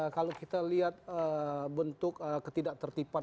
kalau kita lihat bentuk ketidak tertipan